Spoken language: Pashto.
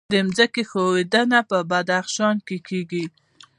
د ځمکې ښویدنه په بدخشان کې کیږي